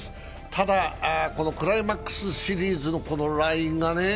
ただ、クライマックスシリーズのこのラインがね。